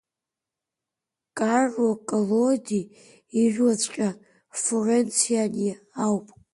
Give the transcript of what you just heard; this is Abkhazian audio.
Карло Коллоди ижәлаҵәҟьа Флоренциани ауп.